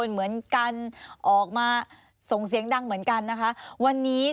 แม้ต้องการนะคะวันนี้